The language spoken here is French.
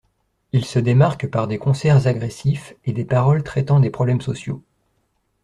Il se démarque par des concerts agressifs et des paroles traitant des problèmes sociaux.